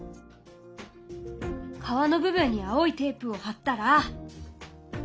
川の部分に青いテープを貼ったら。